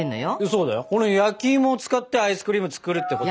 そうだよこの焼き芋を使ってアイスクリーム作るってこと。